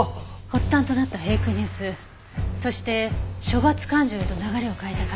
発端となったフェイクニュースそして処罰感情へと流れを変えた書き込み。